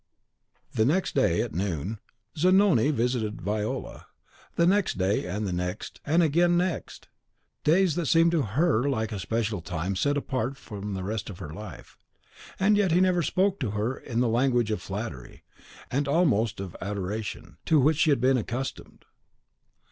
The next day, at noon, Zanoni visited Viola; and the next day and the next and again the next, days that to her seemed like a special time set apart from the rest of life. And yet he never spoke to her in the language of flattery, and almost of adoration, to which she had been accustomed.